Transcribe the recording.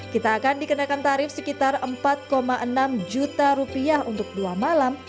kita akan dikenakan tarif sekitar empat enam juta rupiah untuk dua malam